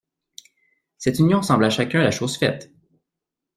Cette union semble à chacun la chose faite!